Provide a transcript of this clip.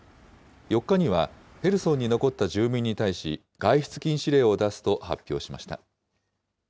４日には、ヘルソンに残った住民に対し、外出禁止令を出すと発表しました。